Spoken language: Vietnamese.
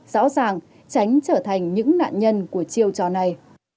rõ ràng tránh trở thành những nạn nhân của chiêu trò này